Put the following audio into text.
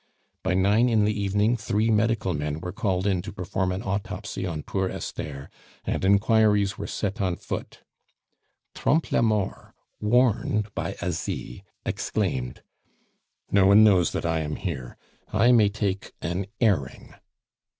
By nine in the evening three medical men were called in to perform an autopsy on poor Esther, and inquiries were set on foot. Trompe la Mort, warned by Asie, exclaimed: "No one knows that I am here; I may take an airing."